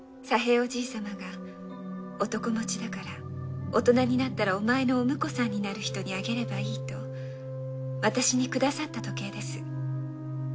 おじい様が男持ちだから大人になったらお前のお婿さんになる人にあげればいいと私に下さった時計です。